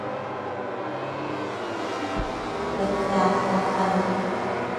Pete ansanta bëdic